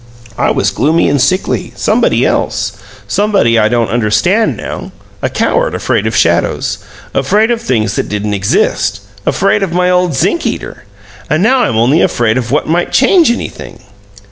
I was gloomy and sickly somebody else somebody I don't understand now, a coward afraid of shadows afraid of things that didn't exist afraid of my old zinc eater! And now I'm only afraid of what might change anything."